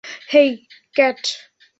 হেই, cat?